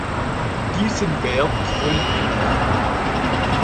Diesen Wert wollen wir nicht.